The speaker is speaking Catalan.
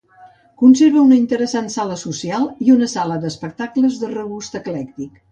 Conserva un interessant saló social i una sala d'espectacles de regust eclèctic.